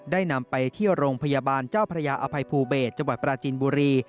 นำไปที่โรงพยาบาลเจ้าพระยาอภัยภูเบศจังหวัดปราจีนบุรี